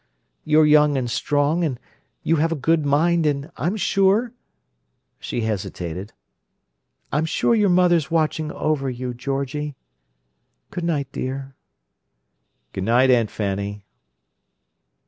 You're young and strong and you have a good mind and I'm sure—" she hesitated—"I'm sure your mother's watching over you, Georgie. Good night, dear." "Good night, Aunt Fanny."